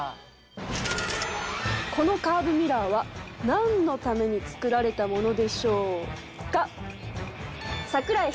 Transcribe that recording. このカーブミラーは何のために作られたものでしょうか？